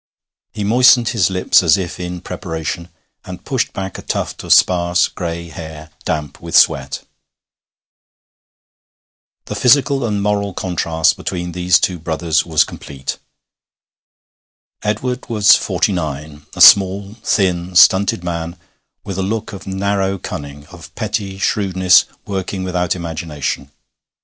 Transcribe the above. He moistened his lips as if in preparation, and pushed back a tuft of sparse gray hair, damp with sweat. The physical and moral contrast between these two brothers was complete. Edward was forty nine, a small, thin, stunted man, with a look of narrow cunning, of petty shrewdness working without imagination.